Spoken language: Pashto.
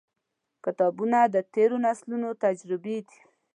• کتابونه، د تیرو نسلونو تجربې دي.